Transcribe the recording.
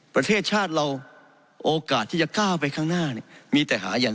ประเทศชาติเราโอกาสที่จะก้าวไปข้างหน้าเนี่ยมีแต่หาอย่าง